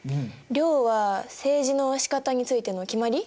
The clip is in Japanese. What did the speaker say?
令は政治のしかたについての決まり？